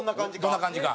どんな感じか。